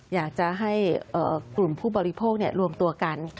อยากจะให้กลุ่มผู้บริโภครวมตัวกัน